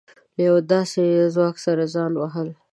له يوه داسې ځواک سره ځان وهل.